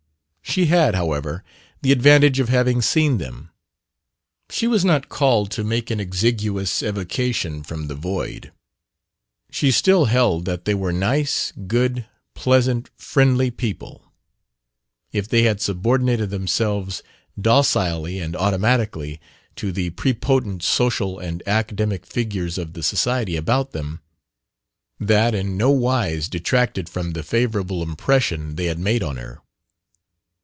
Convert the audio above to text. She had, however, the advantage of having seen them; she was not called to make an exiguous evocation from the void. She still held that they were nice, good, pleasant, friendly people: if they had subordinated themselves, docilely and automatically, to the prepotent social and academic figures of the society about them, that in no wise detracted from the favorable impression they had made on her.